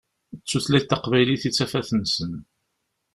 D tutlayt taqbaylit i d tafat-nsen.